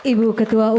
ibu ketua umum